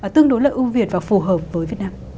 tương đối là ưu việt và phù hợp với việt nam